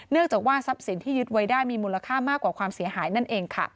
จากว่าทรัพย์สินที่ยึดไว้ได้มีมูลค่ามากกว่าความเสียหายนั่นเองค่ะ